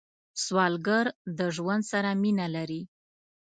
سوالګر د ژوند سره مینه لري